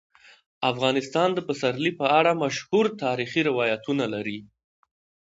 افغانستان د پسرلی په اړه مشهور تاریخی روایتونه لري.